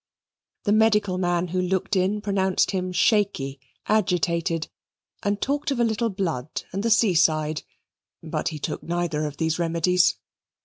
The medical man who looked in pronounced him shaky, agitated, and talked of a little blood and the seaside; but he took neither of these remedies.